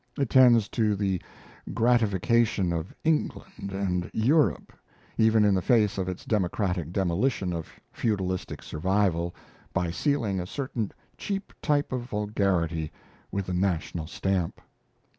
It tends to the gratification of England and Europe, even in the face of its democratic demolition of feudalistic survival, by sealing a certain cheap type of vulgarity with the national stamp.